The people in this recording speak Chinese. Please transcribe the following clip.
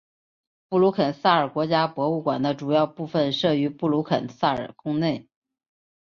布鲁肯撒尔国家博物馆的主要部分设于布鲁肯撒尔宫内。